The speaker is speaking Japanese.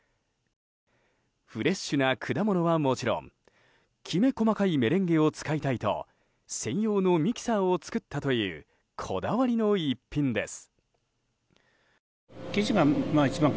フレッシュな果物はもちろんきめ細かいメレンゲを使いたいと専用のミキサーを作ったというこだわりの一品です。